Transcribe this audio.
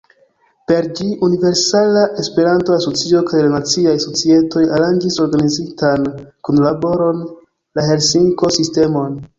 Per ĝi, Universala Esperanto-Asocio kaj la naciaj societoj aranĝis organizitan kunlaboron, la Helsinko-sistemon.